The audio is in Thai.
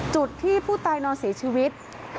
จุดที่ผู้ตายนอนเสียชีวิต